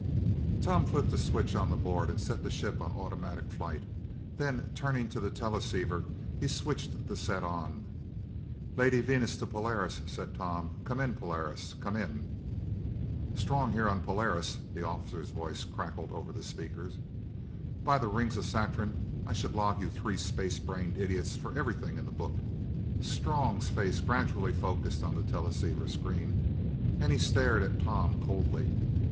Tom flipped a switch on the board and set the ship on automatic flight. Then, turning to the teleceiver, he switched the set on. "Lady Venus to Polaris " said Tom, "come in, Polaris come in!" "... Strong here on the Polaris!" the officer's voice crackled over the speaker. "By the rings of Saturn, I should log you three space brained idiots for everything in the book!" Strong's face gradually focused on the teleceiver screen and he stared at Tom coldly.